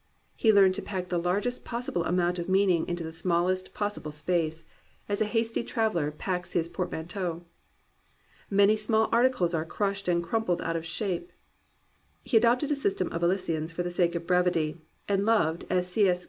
He learned to pack the largest possible amount of meaning into the smallest possible space, as a hasty traveller packs his portmanteau. Many small ar ticles are crushed and crumpled out of shape. He adopted a system of elisions for the sake of brevity, and loved, as C. S.